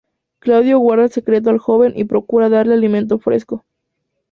Claudio guarda el secreto al joven, y procura darle alimento fresco.